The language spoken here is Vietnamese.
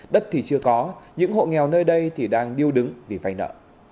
đất thì chưa có những hộ nghèo nơi đây thì đang điêu đứng vì vay nợ